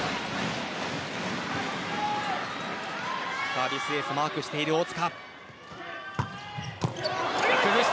サービスエースをマークしている大塚。